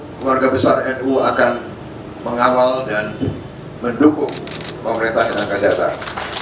keluarga besar nu akan mengawal dan mendukung pemerintah yang akan datang